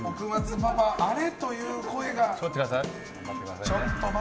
パパあれ？という声が。